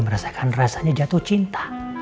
merasakan rasanya jatuh cinta